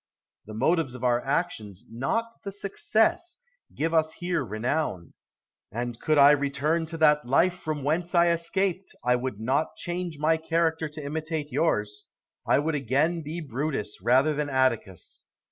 The motives of our actions, not the success, give us here renown. And could I return to that life from whence I am escaped, I would not change my character to imitate yours; I would again be Brutus rather than Atticus.